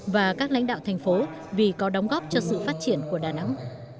và các lãnh đạo thành phố vì có đóng góp cho sự phát triển của đà nẵng